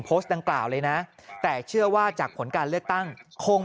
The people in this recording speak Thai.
โพสต์ดังกล่าวเลยนะแต่เชื่อว่าจากผลการเลือกตั้งคง